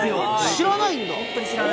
知らないんだ？